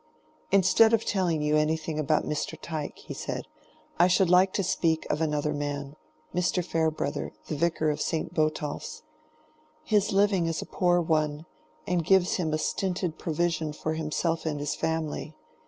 "Instead of telling you anything about Mr. Tyke," he said, "I should like to speak of another man—Mr. Farebrother, the Vicar of St. Botolph's. His living is a poor one, and gives him a stinted provision for himself and his family.